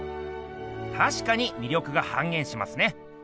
たしかにみりょくが半げんしますね。